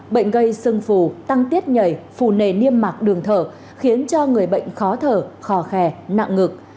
bệnh gây sưng phù tăng tiết nhảy phù nề niêm mạc đường thở khiến cho người bệnh khó thở khò khè nặng ngực